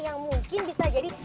yang mungkin bisa jadi